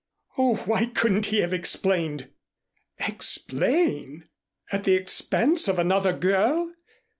"Oh, why couldn't he have explained?" "Explain! At the expense of another girl?